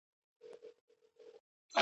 نه یې ژبه له غیبته ستړې کیږي ,